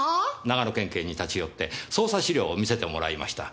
長野県警に立ち寄って捜査資料を見せてもらいました。